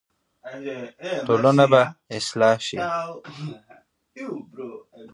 ټولنه به اصلاح شي.